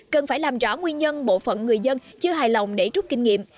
cần phải làm rõ nguyên nhân bộ phận người dân chưa hài lòng để rút kinh nghiệm